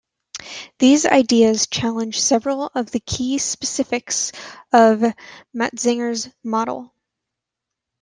These ideas challenge several of the key specifics of Matzinger's model.